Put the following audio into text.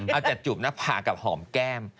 เอาแต่จูบหน้าผากกับหอมแก้ม